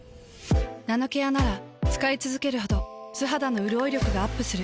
ナノケアなら使いつづけるほど素肌のうるおい力がアップする。